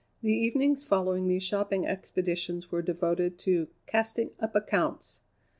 The evenings following these shopping expeditions were devoted to "casting up accounts."